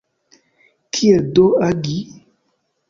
Kiel do agi?